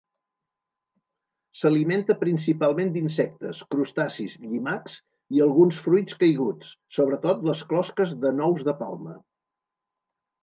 S'alimenta principalment d'insectes, crustacis, llimacs i alguns fruits caiguts, sobretot les closques de nous de palma.